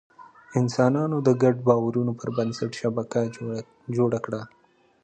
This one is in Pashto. انسانانو د ګډو باورونو پر بنسټ شبکه جوړه کړه.